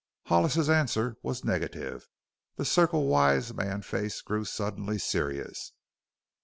Hollis's answer was negative. The Circle Y man's face grew suddenly serious.